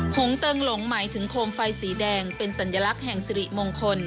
หงเติงหลงหมายถึงโคมไฟสีแดงเป็นสัญลักษณ์แห่งสิริมงคล